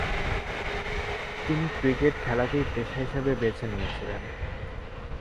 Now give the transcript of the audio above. তিনি ক্রিকেট খেলাকেই পেশা হিসেবে বেছে নিয়েছিলেন।